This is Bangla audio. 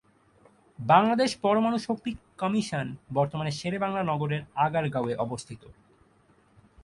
বাংলাদেশ পরমাণু শক্তি কমিশন বর্তমানে শেরেবাংলা নগরের আগারগাঁও-এ অবস্থিত।